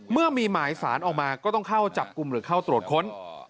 เมื่อมีหมายสารออกมาก็ต้องเข้าจับกลุ่มหรือเข้าตรวจค้น